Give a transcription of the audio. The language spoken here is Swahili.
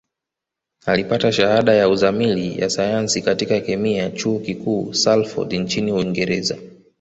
Alipata Shahada ya Uzamili ya Sayansi katika Kemia Chuo Kikuu Salford nchini Uingereza